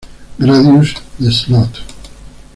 Gradius: The Slot